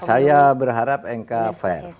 saya berharap mk fair